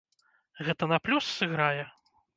Гэта на плюс сыграе?